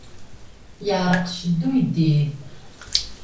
Yeɛṛeq cced uyeddid!